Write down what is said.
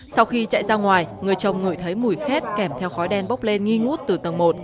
sau khi chạy ra ngoài người chồng ngửi thấy mùi khét kèm theo khói đen bốc lên nghi ngút từ tầng một